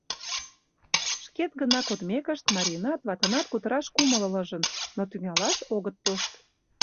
Шкет гына кодмекышт, марийынат, ватынат кутыраш кумыл ылыжын, но тӱҥалаш огыт тошт.